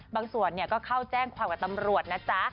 บางส่วนก็เข้าแจ้งคำว่าตำรวจ